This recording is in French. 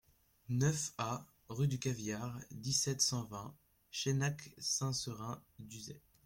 neuf A rue du Caviar, dix-sept, cent vingt, Chenac-Saint-Seurin-d'Uzet